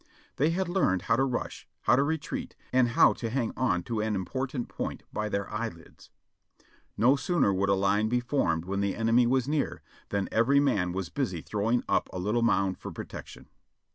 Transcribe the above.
They had learned how to rush, how to retreat and how to hang on to an important point by their eyelids. No sooner would a line be formed when the enemy was near, than every man was busy throwing up a little mound for protection.